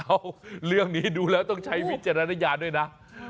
เรื่องนี้ดูแล้วต้องใช้วิจารณญาณด้วยนะ